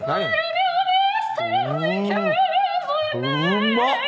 うまっ！